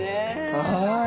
はい。